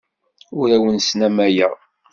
Ur awent-snamayeɣ.